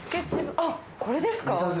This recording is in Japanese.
あっこれですか？